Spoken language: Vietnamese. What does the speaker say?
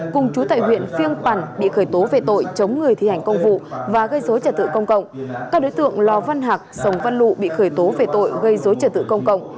các đối tượng gồm lò văn hạc sống văn lụ bị khởi tố về tội gây dối trả tự công cộng